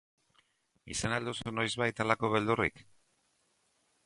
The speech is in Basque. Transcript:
Izan al duzu noizbait halako beldurrik?